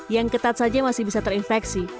yang ketat saja masih bisa terinfeksi